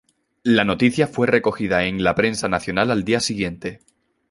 La noticia fue recogida en la prensa nacional al día siguiente.